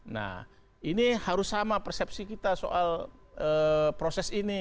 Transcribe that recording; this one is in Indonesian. nah ini harus sama persepsi kita soal proses ini